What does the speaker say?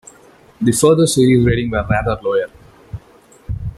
The further series' rating were rather lower.